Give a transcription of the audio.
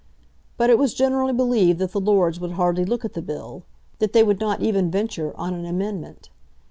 But it was generally believed that the Lords would hardly look at the bill, that they would not even venture on an amendment.